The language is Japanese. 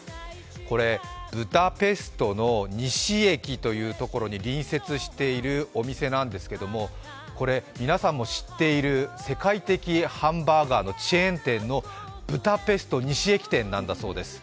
これ、ブダペストの西駅というところに隣接しているお店なんですけれども皆さんも知っている世界的ハンバーガーのチェーン店のブダペスト西駅店なんだそうです。